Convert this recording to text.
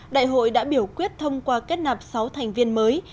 đại hội đã biểu quyết thông qua kết nạp sáu thành viên mới